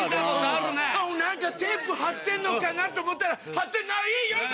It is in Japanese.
何かテープ貼ってんのかなと思ったら貼ってないーよね！